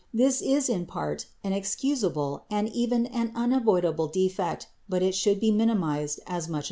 This is in part an excusable and even an unavoidable defect, but it should be minimized as much as possible.